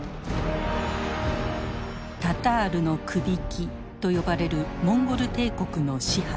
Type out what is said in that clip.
「タタールのくびき」と呼ばれるモンゴル帝国の支配。